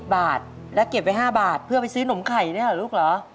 บาทแล้วเก็บไว้๕บาทเพื่อไปซื้อนมไข่เนี่ยเหรอลูกเหรอ